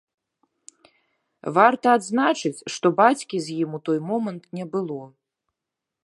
Варта адзначыць, што бацькі з ім у той момант не было.